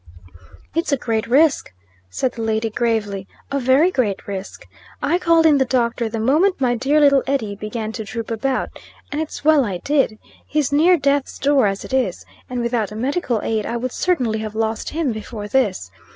"It's a great risk," said the lady, gravely. "A very great risk. I called in the doctor the moment my dear little Eddy began to droop about. And it's well I did. He's near death's door as it is; and without medical aid I would certainly have lost him before this.